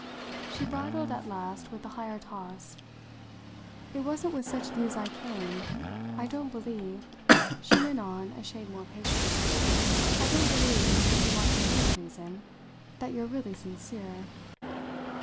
She bridled at last with a higher toss. "It wasn't with such views I came. I don't believe," she went on a shade more patiently, "I don't believe if you want to know the reason that you're really sincere."